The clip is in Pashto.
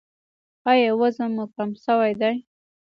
ایا وزن مو کم شوی دی؟